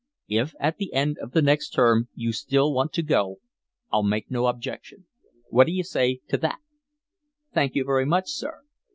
If at the end of the next term you still want to go I'll make no objection. What d'you say to that?" "Thank you very much, sir."